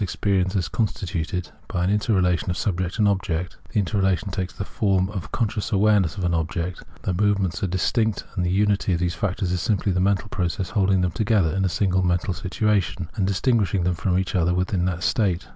experience as constituted by an interrelation of subjecfc and object. The interrelation takes the form of con scious awareness of an object. The moments are dis tinct, and the unity of these factors is simply the mental process of holding them together in a single mental situation and distinguishing them from each other within that state.